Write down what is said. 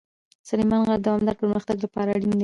سلیمان غر د دوامداره پرمختګ لپاره اړین دی.